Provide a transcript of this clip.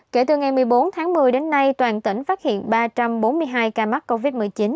kể từ ngày một mươi bốn tháng một mươi đến nay toàn tỉnh phát hiện ba trăm bốn mươi hai ca mắc covid một mươi chín